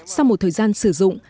sau một thời gian sử dụng